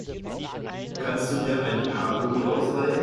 Kannst du mir ein Haargummi ausleihen?